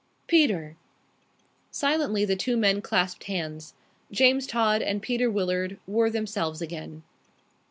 "Peter!" Silently the two men clasped hands. James Todd and Peter Willard were themselves again.